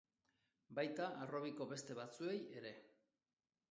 Baita harrobiko beste batzuei ere.